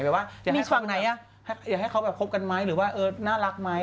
แบบว่าอยากให้เขาแบบคบกันไหมหรือว่าน่ารักไหม